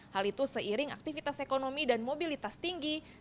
hal itu seiring aktivitas ekonomi dan mobilitas tinggi